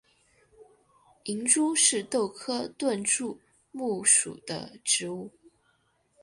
银珠是豆科盾柱木属的植物。